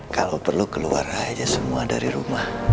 kalau perlu keluar aja semua dari rumah